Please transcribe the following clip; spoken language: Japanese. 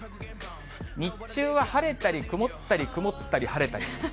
日中は晴れたり曇ったり、曇ったり晴れたり。